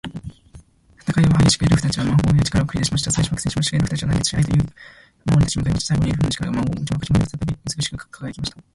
戦いは激しく、エルフたちは魔法や力を繰り出しました。最初は苦戦しましたが、エルフたちは団結し、愛と勇気で魔王に立ち向かいました。最後には、エルフの力が魔王を打ち負かし、森は再び美しく輝きました。